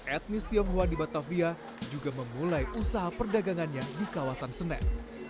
etnis tionghoa di batavia juga memulai usaha perdagangannya di kawasan senen